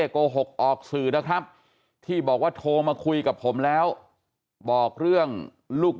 โกหกออกสื่อนะครับที่บอกว่าโทรมาคุยกับผมแล้วบอกเรื่องลูก